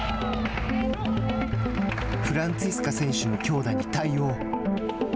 フランツィスカ選手の強打に対応。